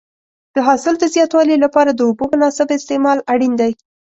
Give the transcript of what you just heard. د حاصل د زیاتوالي لپاره د اوبو مناسب استعمال اړین دی.